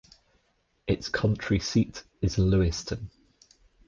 Its county seat is Lewistown.